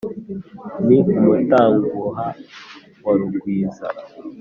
ni umutanguha wa rugwiza